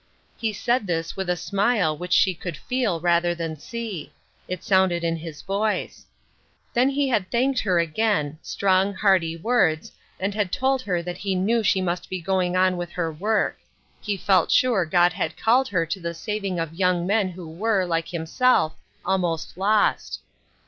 He said this with a smile which she could feel, rather than see ; it sounded in his voice. Then he had thanked her again ; strong, hearty words, and had told her that he knew she must be going on with her work ; he felt sure God had called her to the saving of young men who were, like himself, almost lost.